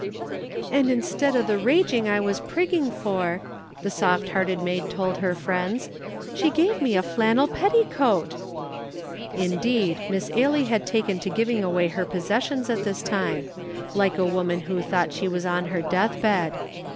"And instead o' the raging I was prigging for," the soft hearted maid told her friends, "she gave me a flannel petticoat!" Indeed, Miss Ailie had taken to giving away her possessions at this time, like a woman who thought she was on her death bed.